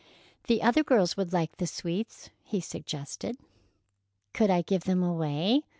"The other girls would like the sweets," he suggested. "Could I give them away?"